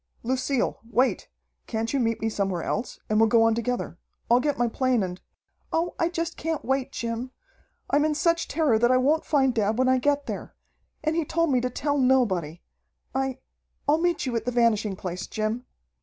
"Lucille, wait! Can't you meet me somewhere else, and we'll go on together. I'll get my plane and " "Oh, I just can't wait, Jim! I'm in such terror that I won't find dad when I get there. And he told me to tell nobody. I I'll meet you at the Vanishing Place, Jim."